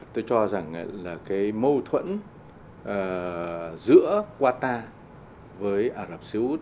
tôi cho rằng là cái mâu thuẫn giữa qatar với ả rập xê út